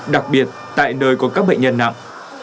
đặc biệt tại nơi có các bệnh nhân nặng